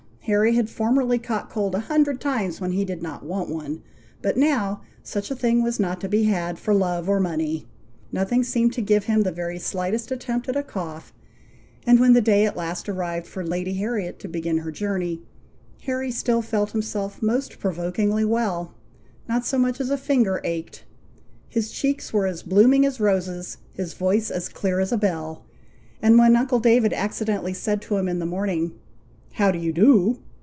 Harry had formerly caught cold a hundred times when he did not want one; but now, such a thing was not to be had for love or money. Nothing seemed to give him the very slightest attempt at a cough; and when the day at last arrived for Lady Harriet to begin her journey, Harry still felt himself most provokingly well. Not so much as a finger ached, his cheeks were as blooming as roses, his voice as clear as a bell, and when uncle David accidentally said to him in the morning, "How do you do?"